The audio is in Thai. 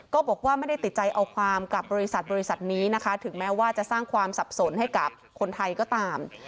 ก็บอกว่าไม่ได้ติดใจเอาความกับบริษัทบริษัทนี้นะคะถึงแม้ว่าจะสร้างความสับสนให้กับคนไทยก็ตาม